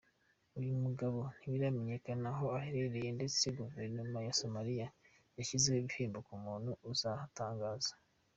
Uyu mugabo ntibiramenyekana aho aherereye ndetse guverinoma ya Somalia yashyizeho ibihembo ku muntu uzahatangaza.